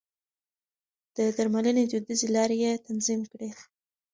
د درملنې دوديزې لارې يې تنظيم کړې.